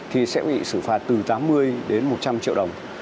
thì sẽ bị xử phạt từ tám mươi đến một trăm linh triệu đồng